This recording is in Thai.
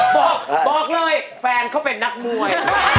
บอกบอกเลยแฟนเขาเป็นนักมวย